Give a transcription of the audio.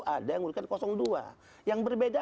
ada yang urutan dua yang berbeda